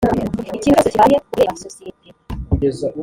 ikintu cyose kibaye ku bireba sosiyete